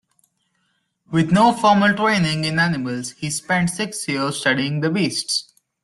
With no formal training in animals, he spent six years studying the beasts.